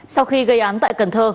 sau khi gây án tại cần thơ